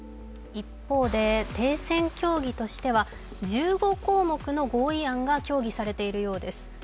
一方で停戦協議としては１５項目の合意案が協議されているようです。